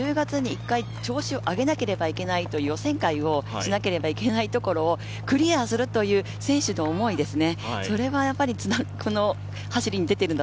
１０月に１回、調子を上げなければいけない、予選会をしなければいけないというクリアするという選手の思いですね。